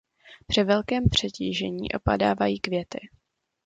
Při velkém přetížení opadávají květy.